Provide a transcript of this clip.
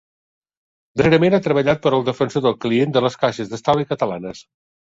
Darrerament ha treballat per al defensor del client de les Caixes d'Estalvi Catalanes.